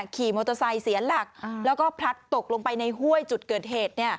ขี่มอเตอร์ไซค์เสียหลักแล้วก็พลัดตกลงไปในห้วยจุดเกิดเหตุ